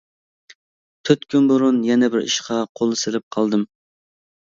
تۆت كۈن بۇرۇن يەنە بىر ئىشقا قول سېلىپ قالدىم.